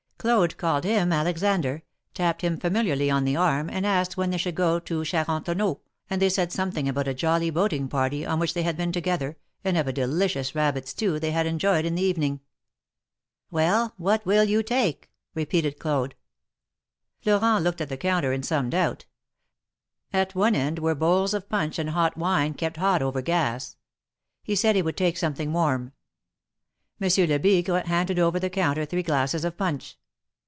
Claude called him Alexander, tapped him familiarly on the arm, and asked when they should go to Charentoneau, and they said something about a jolly boating party on which they had been together, and of a delicious rabbit stew they had enjoyed in the evening. ^^Well! what will you take?" repeated Claude. Florent looked at the counter in some doubt. At one end were bowls of punch and hot wine ke])t hot over gas. He said he would take something warm. Monsieur 44 THE MARKETS OF PARIS. Lebigre handed over the counter three glasses of punch.